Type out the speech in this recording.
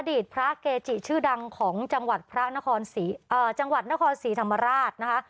อดีตพระเกจิชื่อดังของจังหวัดนครศรีธรรมราชนะคะ